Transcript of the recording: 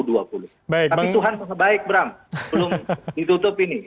tapi tuhan rasa baik bram belum ditutup ini